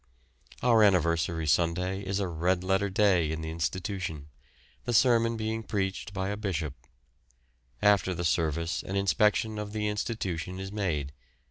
Our anniversary Sunday is a red letter day in the institution, the sermon being preached by a bishop. After the service an inspection of the institution is made.